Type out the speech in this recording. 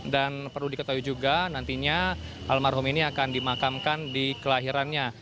dan perlu diketahui juga nantinya almarhum ini akan dimakamkan di kelahirannya